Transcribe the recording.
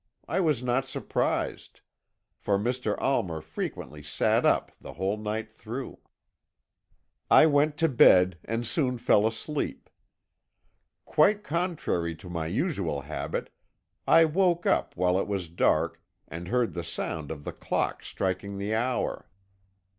I was not surprised, for Mr. Almer frequently sat up the whole night through. "I went to bed, and soon fell asleep. "Quite contrary to my usual habit, I woke up while it was dark, and heard the sound of the clock striking the hour.